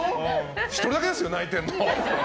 １人だけですよ泣いてるの。